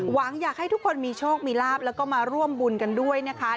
หวังอยากให้ทุกคนมีโชคมีลาบแล้วก็มาร่วมบุญกันด้วยนะคะ